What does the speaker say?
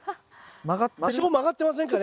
多少曲がってませんかね。